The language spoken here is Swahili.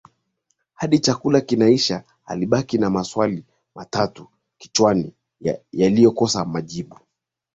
Hadi chakula kinaisha alibaki na maswali matatu kichwani yalokosa majibu